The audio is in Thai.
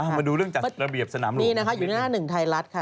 มาดูเรื่องจัดระเบียบสนามหลวงนี่นะคะอยู่หน้าหนึ่งไทยรัฐค่ะ